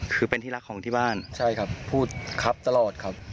คือเป็นที่รักของที่บ้านใช่ครับพูดครับตลอดครับ